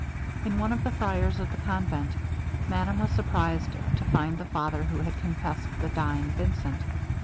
In one of the friars of the convent, madame was surprized to find the father who had confessed the dying Vincent.